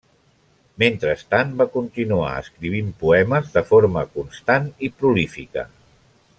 Mentrestant, va continuar escrivint poemes de forma constant i prolífica.